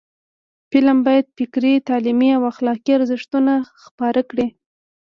فلم باید فکري، تعلیمي او اخلاقی ارزښتونه خپاره کړي